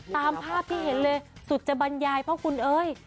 ตามภาพที่เห็นเลยสุจบรรยายเพราะคุณเอ้ย